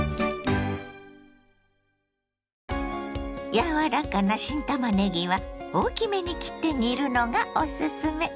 柔らかな新たまねぎは大きめに切って煮るのがおすすめ。